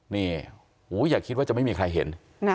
นี่อย่าคิดว่าจะไม่มีใครเห็น